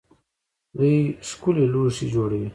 دوی ښکلي لوښي جوړوي.